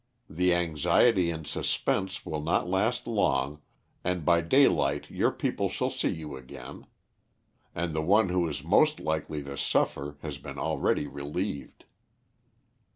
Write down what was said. The anxiety and suspense will not last long and by daylight your people shall see you again. And the one who is most likely to suffer has been already relieved."